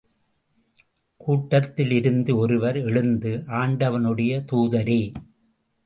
கூட்டத்திலிருந்து ஒருவர் எழுந்து, ஆண்டவனுடைய தூதரே!